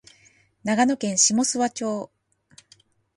長野県下諏訪町